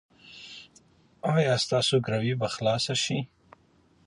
ایا ستاسو ګروي به خلاصه شي؟